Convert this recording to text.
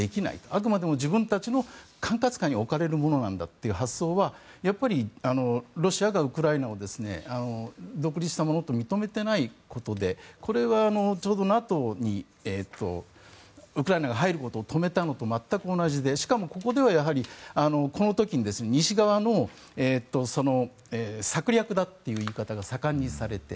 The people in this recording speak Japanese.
あくまでも自分たちの管轄下に置かれるものなんだという発想はロシアがウクライナを独立したものと認めていないことでこれはちょうどＮＡＴＯにウクライナが入ることを止めたのと全く同じでしかもここではこの時に西側の策略だという言い方が盛んにされて。